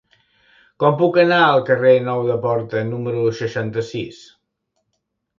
Com puc anar al carrer Nou de Porta número seixanta-sis?